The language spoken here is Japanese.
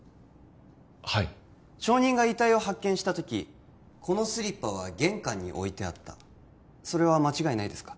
はい証人が遺体を発見したときこのスリッパは玄関に置いてあったそれは間違いないですか？